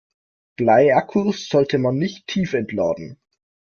Bleiakkus sollte man nicht tiefentladen.